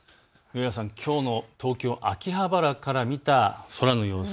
きょうの東京秋葉原から見た空の様子。